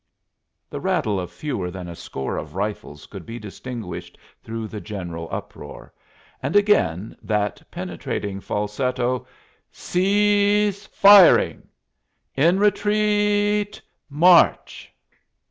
The rattle of fewer than a score of rifles could be distinguished through the general uproar, and again that penetrating falsetto: "Cease fir ing. In re treat... maaarch!"